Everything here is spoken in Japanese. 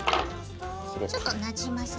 ちょっとなじませる？